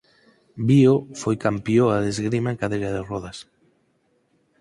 Vio foi campioa de esgrima en cadeira de rodas.